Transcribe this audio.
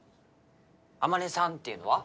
天音さんっていうのは？